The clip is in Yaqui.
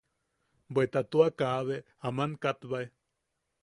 Bweta tua kaabe aman katbae.